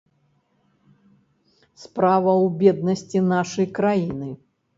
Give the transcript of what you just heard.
Справа ў беднасці нашай краіны.